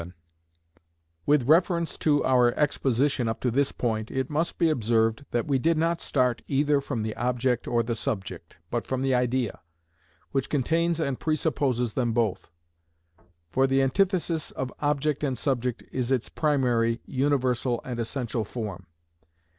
§ 7. With reference to our exposition up to this point, it must be observed that we did not start either from the object or the subject, but from the idea, which contains and presupposes them both; for the antithesis of object and subject is its primary, universal and essential form.